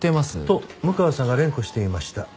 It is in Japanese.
と六川さんが連呼していました。